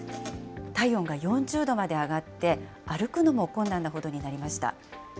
体温が４０度まで上がって、歩くのも困難なほどになりました。